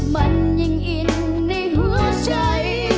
มันยังอิ่มในหัวใจ